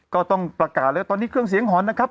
ก็ต้องประกาศเลยว่าตอนนี้เครื่องเสียงหอนนะครับ